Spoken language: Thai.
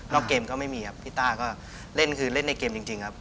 เกมก็ไม่มีครับพี่ต้าก็เล่นคือเล่นในเกมจริงครับ